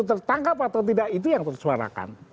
tertangkap atau tidak itu yang tersuarakan